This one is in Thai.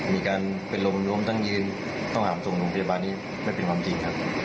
มีการเป็นลมล้มทั้งยืนต้องหามส่งโรงพยาบาลนี้ไม่เป็นความจริงครับ